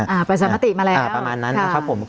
อ่าประสบรรถิมาแล้วประมาณนั้นนะครับผม